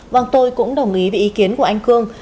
vâng tôi cũng đồng ý với ý kiến của anh khương